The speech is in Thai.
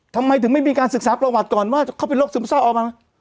ทำไมถึงไม่มีการศึกษาประวัติก่อนว่าเขาเป็นโรคซึมเศร้าออกมา